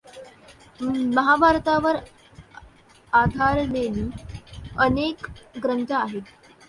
महाभारतावर आधारलेलेही अनेक ग्रंथ आहेत.